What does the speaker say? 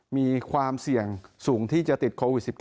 มีความเสี่ยงสูงที่จะติดโควิด๑๙